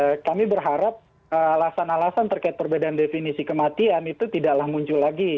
karena kami berharap alasan alasan terkait perbedaan definisi kematian itu tidaklah muncul lagi